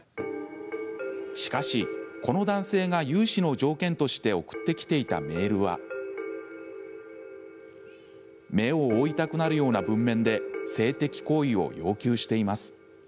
しかし、この男性が融資の条件として送ってきていたメールは目を覆いたくなるような文面で性的行為を要求しています。